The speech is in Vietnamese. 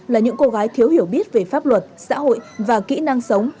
là những cô gái thiếu hiểu biết về pháp luật xã hội và kỹ năng sống